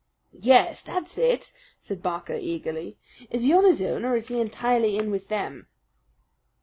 "Yes, that's it," said Barker eagerly. "Is he on his own or is he entirely in with them?"